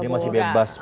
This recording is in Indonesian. jadi masih bebas